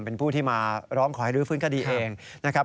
เป็นผู้ที่มาร้องขอให้รื้อฟื้นคดีเองนะครับ